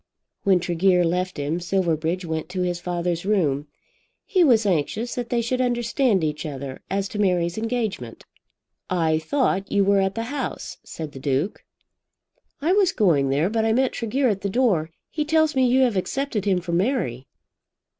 When Tregear left him, Silverbridge went to his father's room. He was anxious that they should understand each other as to Mary's engagement. "I thought you were at the House," said the Duke. "I was going there, but I met Tregear at the door. He tells me you have accepted him for Mary."